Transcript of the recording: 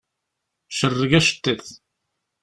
Cerreg aceṭṭiḍ.